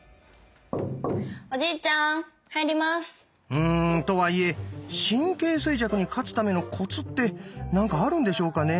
うんとはいえ「神経衰弱」に勝つためのコツって何かあるんでしょうかね？